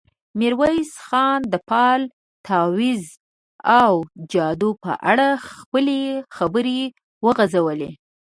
ميرويس خان د فال، تاويذ او جادو په اړه خپلې خبرې وغځولې.